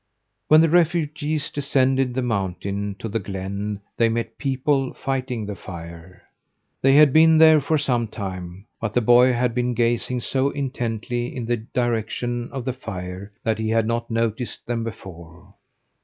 When the refugees descended the mountain to the glen they met people fighting the fire. They had been there for some time, but the boy had been gazing so intently in the direction of the fire that he had not noticed them before.